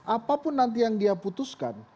apapun nanti yang dia putuskan